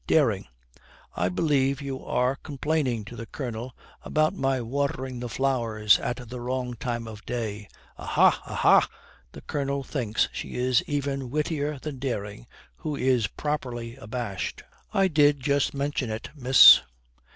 'Dering, I believe you are complaining to the Colonel about my watering the flowers at the wrong time of day.' 'Aha! Aha!' The Colonel thinks she is even wittier than Dering, who is properly abashed. 'I did just mention it, miss.'